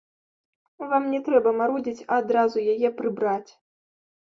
Вам не трэба марудзіць, а адразу яе прыбраць.